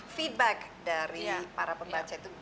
feedback dari para pembaca itu